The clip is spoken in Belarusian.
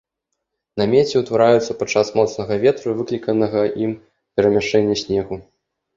Намеці ўтвараюцца падчас моцнага ветру і выкліканага ім перамяшчэння снегу.